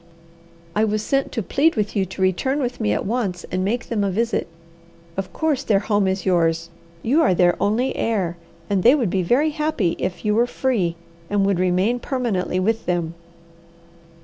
I was sent to plead with you to return with me at once and make them a visit. Of course, their home is yours. You are their only heir, and they would be very happy if you were free, and would remain permanently with them."